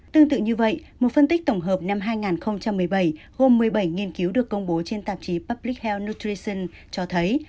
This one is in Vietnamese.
tương tự như vậy một phân tích tổng hợp năm hai nghìn một mươi bảy gồm một mươi bảy nghiên cứu được công bố trên tạp chí publis health nutration cho thấy